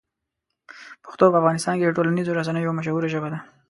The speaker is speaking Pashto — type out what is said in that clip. پښتو په افغانستان کې د ټولنیزو رسنیو یوه مشهوره ژبه ده.